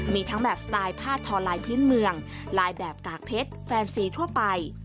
มีทั้งแบบสไตล์ผ้าทอลายพื้นเมืองลายแบบกากเพชรแฟนซีทั่วไป